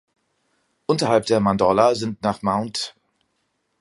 Unterhalb der Mandorla sind nach Mt.